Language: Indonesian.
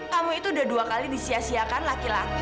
kamu itu udah dua kali disiasiakan laki laki